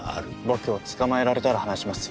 僕を捕まえられたら話しますよ。